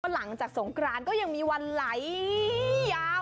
หลังจากสงกรานก็ยังมีวันไหลยาว